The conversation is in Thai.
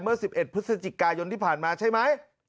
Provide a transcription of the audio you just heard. เมื่อ๑๑พฤศจิกายนที่ผ่านมาใช่ไหม